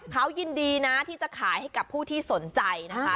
เขายินดีนะที่จะขายให้กับผู้ที่สนใจนะคะ